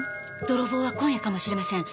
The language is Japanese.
泥棒は今夜かもしれません。